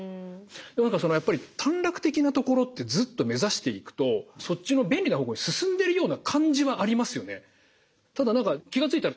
何かそのやっぱり短絡的なところってずっと目指していくとそっちの便利な方向に進んでるような感じはありますよね。